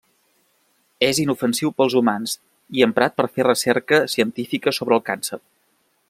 És inofensiu per als humans i emprat per a fer recerca científica sobre el càncer.